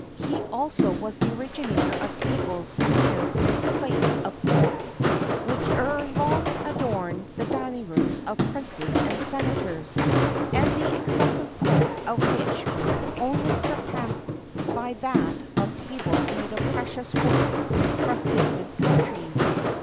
[XXXII 10] He was also the originator of tables veneered with plates of gold,[XXXII 11] which ere long adorned the dining rooms of princes and senators, and the excessive price of which was only surpassed by that of tables made of precious woods from distant countries.